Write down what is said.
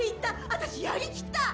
私やりきった」